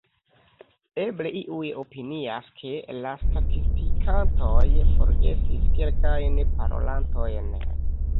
Eble iuj opinias, ke la statistikantoj forgesis kelkajn parolantojn.